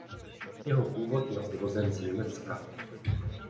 Jeho původ je odvozen z Německa.